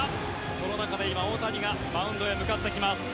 その中で今、大谷がマウンドへ向かってきます。